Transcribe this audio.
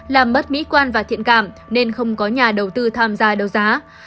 làm mất mỹ quan và thiện cảm nên không có nhà đầu tư tham gia đấu giá